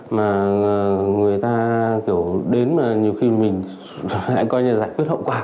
mà người ta kiểu đến mà nhiều khi mình lại coi như là giải quyết hậu quả